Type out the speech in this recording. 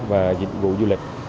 và dịch vụ du lịch